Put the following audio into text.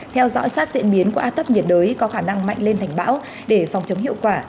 theo dõi sát diễn biến của áp thấp nhiệt đới có khả năng mạnh lên thành bão để phòng chống hiệu quả